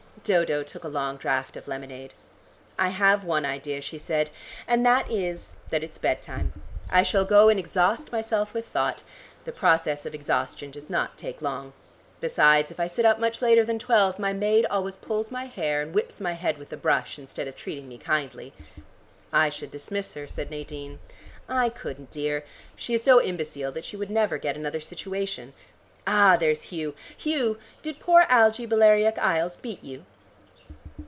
Dodo took a long draught of lemonade. "I have one idea," she said, "and that is that it's bed time. I shall go and exhaust myself with thought. The process of exhaustion does not take long. Besides, if I sit up much later than twelve, my maid always pulls my hair, and whips my head with the brush instead of treating me kindly." "I should dismiss her," said Nadine. "I couldn't, dear. She is so imbecile that she would never get another situation. Ah, there's Hugh! Hugh, did poor Algie Balearic isles beat you?"